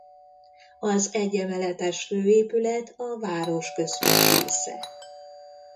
Az egyemeletes főépület a városközpont dísze.